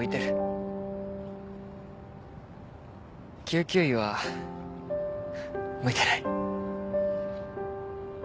救急医は向いてない。